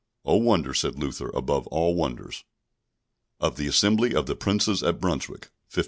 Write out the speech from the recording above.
Oh, wonder, said Luther, above all wonders! Of the Assembly of the Princes at Brunswick, 1531.